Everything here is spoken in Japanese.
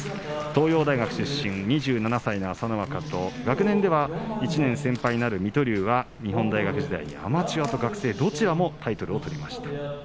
東洋大学出身２７歳の朝乃若と学年では１年先輩になる水戸龍は日本大学時代アマチュアと学生どちらもタイトルを取りました。